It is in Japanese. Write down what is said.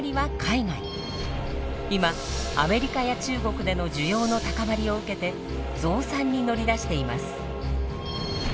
今アメリカや中国での需要の高まりを受けて増産に乗り出しています。